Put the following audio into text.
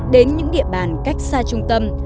đến những địa bàn cách xa trung tâm